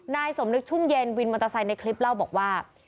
นายสมนึกชุ่มเย็นวินมันจะใส่ในคลิปเล่าบอกว่า